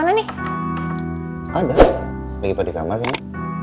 bisa ini yerai louw in case of luar di kamer ini